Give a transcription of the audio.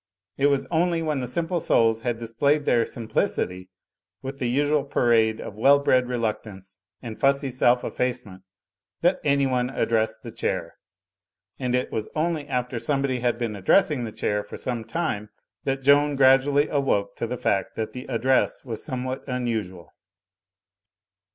It was only when the Simple Souls had displayed their simplicity with the usual parade of well bred reluctance and fussy self eflfacement, that anyone addressed the chair. And it was only after somebody had been addressing the chair for some time that Joan gradually awoke to the fact that the address was somewhat unusual.